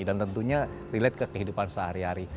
dan tentunya relate ke kehidupan sehari hari